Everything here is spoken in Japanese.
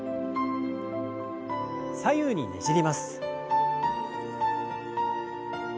左右にねじります。